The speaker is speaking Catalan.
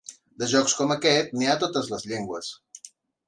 De jocs com aquest n'hi ha a totes les llengües.